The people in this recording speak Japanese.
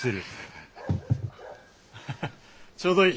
ハハッちょうどいい。